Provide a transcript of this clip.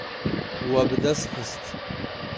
We bi dest xist.